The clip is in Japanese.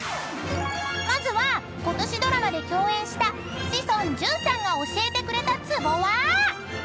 ［まずはことしドラマで共演した志尊淳さんが教えてくれたツボは］